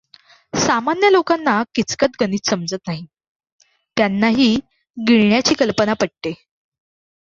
सामान्य लोकांना किचकट गणित समजत नाही, त्यांना ही गिळण्या ची कल्पना पटते.